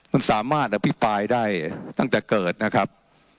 มันสามารถอภิปรายได้ตั้งแต่เกิดนะครับ